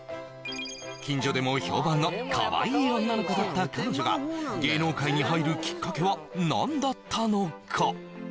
近所でも評判のかわいい女の子だった彼女が芸能界に入るきっかけは何だったのか？